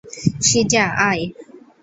শীজা, আয়।